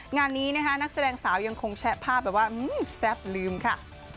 งานนี้นะคะนักแสดงสาวยังคงแชะภาพแบบว่าแซ่บลืมค่ะ